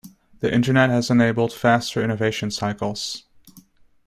The internet has enabled faster innovation cycles.